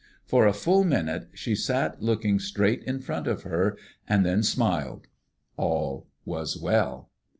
For a full minute she sat looking straight in front of her, and then smiled. All was well.